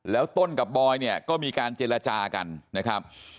แล้วต้นกับบอยเนี่ยก็มีการเจรจากันนะครับ